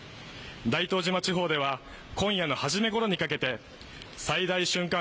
大東島地方では今夜の初めごろにかけて最大瞬間